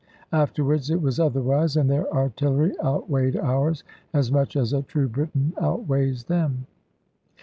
Afterwards it was otherwise; and their artillery outweighed ours, as much as a true Briton outweighs them.